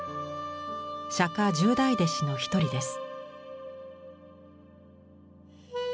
釈十大弟子の一人です。